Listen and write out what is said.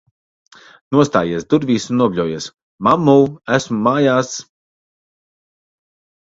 Nostājies durvīs un nobļaujies: "Mammu, esmu mājās!"